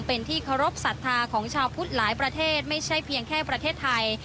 เป็นที่เคารพสัทธาของชาวพุทธหลายประเทศไม่ใช่เพียงแค่ประเทศไทย